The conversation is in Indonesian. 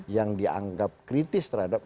yang dianggap kritis terhadap